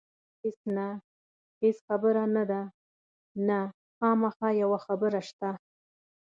هېڅ نه، هېڅ خبره نه ده، نه، خامخا یوه خبره شته.